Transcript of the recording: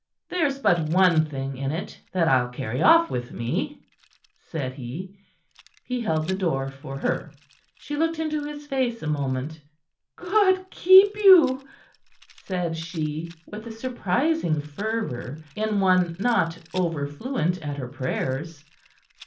"There's but one thing in it that I'll carry off with me," said he. He held the door for her. She looked into his face a moment. "God keep you!" said she, with a surprising fervor in one not over fluent at her prayers.